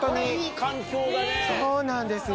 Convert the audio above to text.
そうなんですよ。